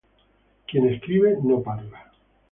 Quien escribe no habla.